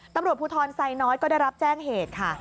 ตำรวจภูทรไซน้อยก็ได้รับแจ้งเหตุค่ะ